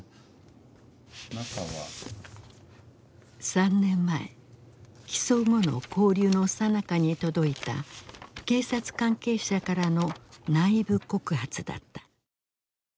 ３年前起訴後の勾留のさなかに届いた警察関係者からの内部告発だった。